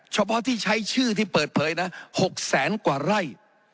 เฉพาะที่ใช้ชื่อที่เปิดเผยนะ๖แสนกว่าไร่